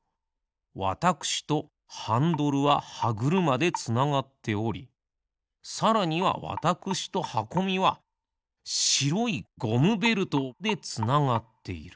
わたくしとハンドルははぐるまでつながっておりさらにはわたくしとはこみはしろいゴムベルトでつながっている。